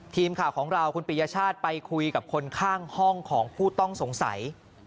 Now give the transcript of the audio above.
ทีมข่าวของเราคุณปียชาติไปคุยกับคนข้างห้องของผู้ต้องสงสัย